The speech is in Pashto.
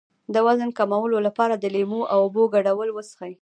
د وزن کمولو لپاره د لیمو او اوبو ګډول وڅښئ